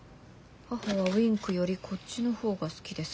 母はＷｉｎｋよりこっちの方が好きです母」。